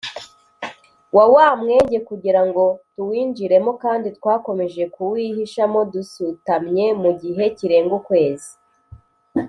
wa wa mwenge kugira ngo tuwinjiremo kandi twakomeje kuwihishamo dusutamye mu gihe kirenga ukwezi